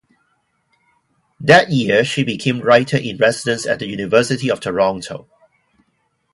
That year, she became writer-in-residence at the University of Toronto.